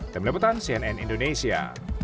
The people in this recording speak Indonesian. demi leputan cnn indonesia